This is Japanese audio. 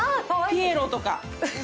ピエロとか。